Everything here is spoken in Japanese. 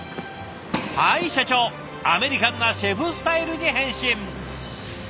はい社長アメリカンなシェフスタイルに変身！